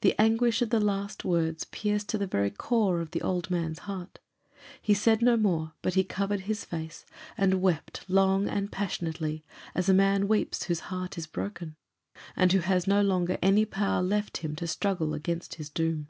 The anguish of the last words pierced to the very core of the old man's heart. He said no more; but he covered his face, and wept long and passionately, as a man weeps whose heart is broken, and who has no longer any power left him to struggle against his doom.